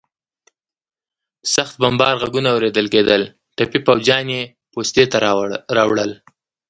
د سخت بمبار غږونه اورېدل کېدل، ټپي پوځیان یې پوستې ته راوړل.